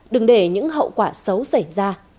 đừng để những hậu quả xấu xảy ra